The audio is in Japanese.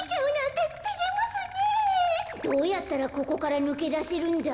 どうやったらここからぬけだせるんだ？